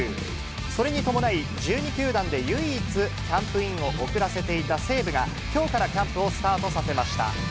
それに伴い、１２球団で唯一、キャンプインを遅らせていた西武が、きょうからキャンプをスタートさせました。